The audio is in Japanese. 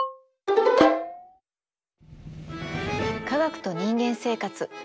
「科学と人間生活」